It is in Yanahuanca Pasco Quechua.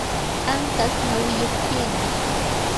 anqas nawiyuq chiina.